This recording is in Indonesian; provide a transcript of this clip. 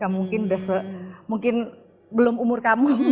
mungkin belum umur kamu